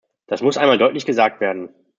Das muss einmal deutlich gesagt werden.